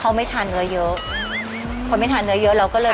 แล้วยังไม่ทันที